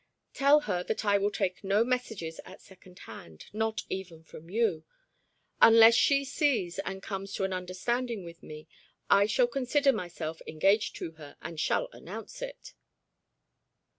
"Tell her that I will take no messages at second hand, not even from you. Unless she sees and comes to an understanding with me, I shall consider myself engaged to her, and shall announce it."